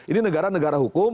ini negara negara hukum